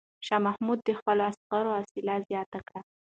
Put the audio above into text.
شاه محمود د خپلو عسکرو حوصله زیاته کړه.